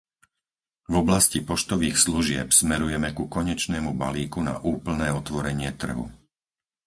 V oblasti poštových služieb smerujeme ku konečnému balíku na úplné otvorenie trhu.